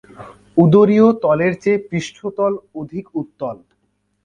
উদরীয় তলের চেয়ে পৃষ্ঠতল অধিক উত্তল।